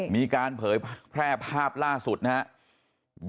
มีการเผยแพร่ภาพล่าสุดนะครับ